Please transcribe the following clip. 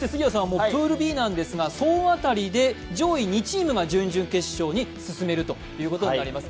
プールＢなんですが総当たりで上位２チームが準々決勝に進めることになります。